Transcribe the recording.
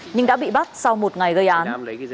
nhưng đã bị bắt sau một ngày gây án